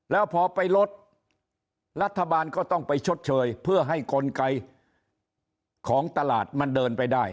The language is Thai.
แล้วพอไปลดรัฐบาลก็ต้องไปชดเชยเพื่อให้กลไกของตลาดมันเดินไปได้